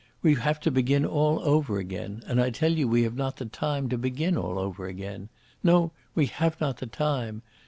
We have to begin all over again, and I tell you we have not the time to begin all over again. No, we have not the time.